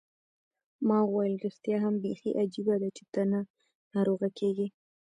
ما وویل: ریښتیا هم، بیخي عجبه ده، چي ته نه ناروغه کېږې.